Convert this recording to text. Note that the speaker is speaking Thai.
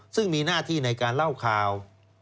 ซึ่งมีหน้าที่ในการเล่าข่าว